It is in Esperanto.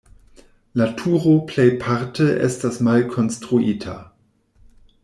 La turo plejparte estas malkonstruita.